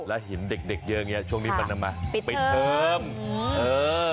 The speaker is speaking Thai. แล้วเห็นเด็กเยอะอย่างนี้ช่วงนี้ประดับมาปิดเพิ่มปิดเพิ่มเออ